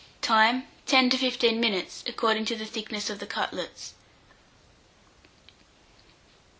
Time. 10 to 15 minutes, according to the thickness of the cutlets.